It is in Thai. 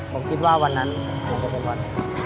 ผมคิดว่าวันนั้นผมจะเป็นวันนั้น